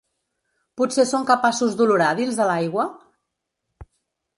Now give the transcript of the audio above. Potser són capaços d’olorar dins de l’aigua?